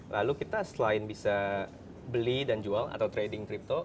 lalu kita selain bisa beli dan jual atau trading crypto